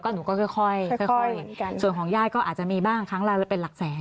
หนูก็ค่อยส่วนของญาติก็อาจจะมีบ้างครั้งละเป็นหลักแสน